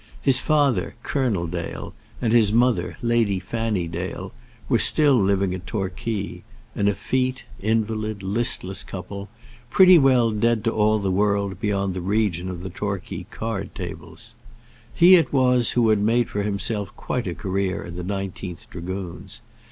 His father, Colonel Dale, and his mother, Lady Fanny Dale, were still living at Torquay an effete, invalid, listless couple, pretty well dead to all the world beyond the region of the Torquay card tables. He it was who had made for himself quite a career in the Nineteenth Dragoons.